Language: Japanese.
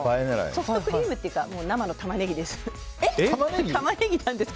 ソフトクリームというか生のタマネギなんです。